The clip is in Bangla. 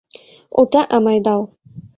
ওটা আমায় দাও!